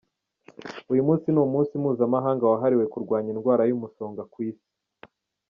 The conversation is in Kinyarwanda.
Uyu munsi ni umunsi mpuzamahanga wahariwe kurwanya indwara y’umusonga ku isi.